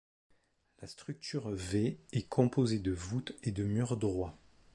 La structure V est composée de voûtes et de murs droits.